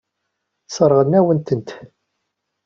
Sseṛɣen-awen-tent.